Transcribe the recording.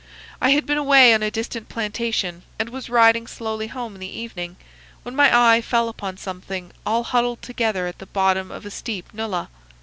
I had been away on a distant plantation, and was riding slowly home in the evening, when my eye fell upon something all huddled together at the bottom of a steep nullah.